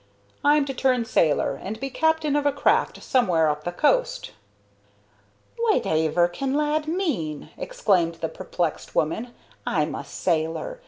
"I'm to turn sailor, and be captain of a craft somewhere up the coast." "Whativer can lad mean?" exclaimed the perplexed woman. "'Im a sailor!